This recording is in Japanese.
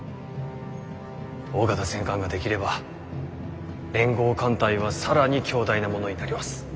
大型戦艦が出来れば連合艦隊は更に強大なものになります。